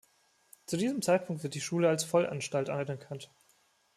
Zu diesem Zeitpunkt wird die Schule als Vollanstalt anerkannt.